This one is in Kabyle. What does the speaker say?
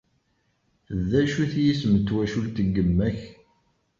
D acu-t yisem n twacult n yemma-k?